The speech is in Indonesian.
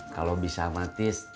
kalau bisa ntis